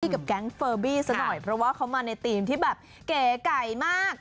กับแก๊งเฟอร์บี้ซะหน่อยเพราะว่าเขามาในธีมที่แบบเก๋ไก่มาก